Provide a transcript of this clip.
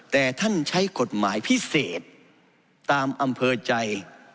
แต่ท่านใช้กฎหมายพิเศษตามอำเภอใจ